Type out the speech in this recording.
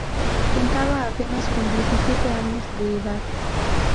Contaba apenas con diecisiete años de edad.